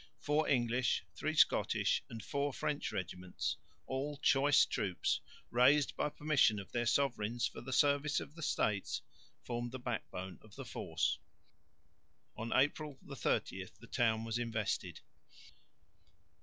Four English, three Scottish and four French regiments, all choice troops, raised by permission of their sovereigns for the service of the States, formed the backbone of the force. On April 30 the town was invested.